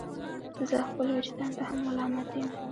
زه خپل ویجدان ته هم ملامت یم.